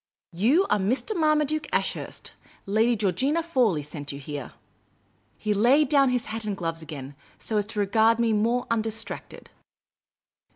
You are Mr, Marmaduke Ashurst. Lady Georgina Fawley sent you here. '' He laid down his hat and gloves again, so as to regard me more undistracted.